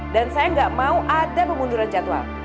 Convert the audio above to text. dan saya gak mau ada pemunduran jadwal